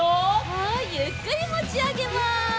はいゆっくりもちあげます。